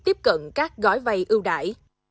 tiếp cận các gói vay ưu đại